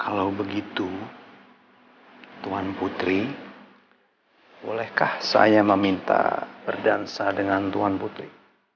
kalau begitu tuan putri bolehkah saya meminta berdansa dengan tuhan putri